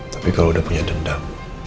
tapi kalau udah punya dendam